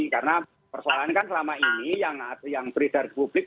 karena persoalannya kan selama ini yang berisar publik